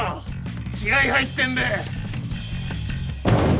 気合入ってんべ。